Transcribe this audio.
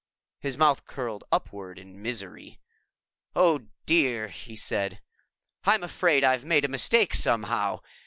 His mouth curled upward in misery. "Oh, dear," he said, "I'm afraid I've made a mistake somehow.